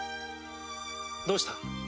どうした！？